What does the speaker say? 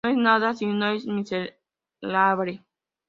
No es nada si no miserable.